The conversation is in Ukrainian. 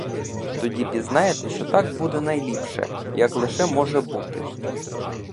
Тоді пізнаєте, що так буде найліпше, як лише може бути.